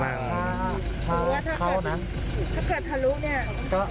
ถ้าเกิดทะลุเนี่ย